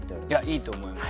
いいと思います。